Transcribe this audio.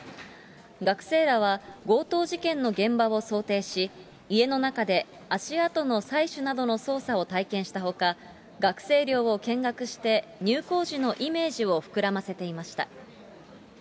学生らは強盗事件の現場を想定し、家の中で足跡の採取などの捜査を体験したほか、学生寮を見学して、入校時のイメージを膨らませていました。